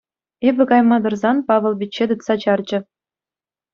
Эпӗ кайма тӑрсан, Павӑл пичче тытса чарчӗ.